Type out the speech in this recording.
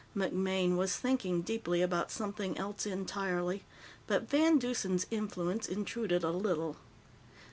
MacMaine was thinking deeply about something else entirely, but VanDeusen's influence intruded a little.